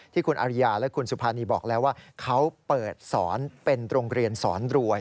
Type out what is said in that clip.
ที่คุณอริยาและคุณสุภานีบอกแล้วว่าเขาเปิดสอนเป็นโรงเรียนสอนรวย